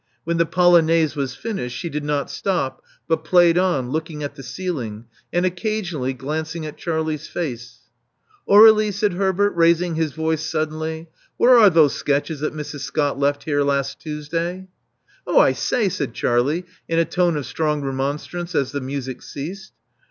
When the polonaise was finished, she did not stop, but played on, looking at the ceiling, and occasionally glancing at Charlie's face. Aurelie," said Herbert, raising his voice suddenly: where are those sketches that Mrs. Scott left here last Tuesday?" (J)h, I say!'' said Charlie, in a tone of strong remonstrance, as the music ceased.